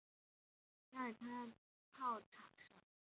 在它的炮塔上多出了一根天线。